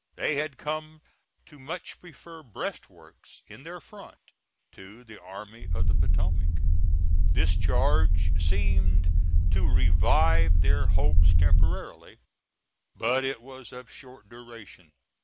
They had come to much prefer breastworks in their front to the Army of the Potomac. This charge seemed to revive their hopes temporarily; but it was of short duration.